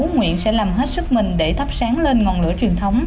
nguyễn sẽ làm hết sức mình để thắp sáng lên ngọn lửa truyền thống